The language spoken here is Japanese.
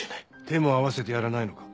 手も合わせてやらないのか？